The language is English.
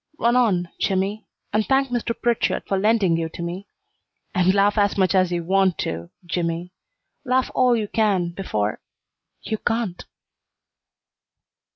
Run on, Jimmy, and thank Mr. Pritchard for lending you to me. And laugh as much as you want to, Jimmy. Laugh all you can before you can't!"